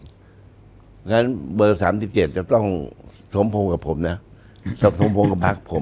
หนั้นเบอร์๓๗จะต้องสมโพงกับผมนะจะสมโพงกับภาครับผม